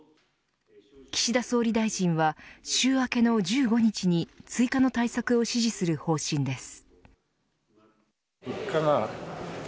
岸田総理大臣は週明けの１５日に追加の対策を指示する方針です。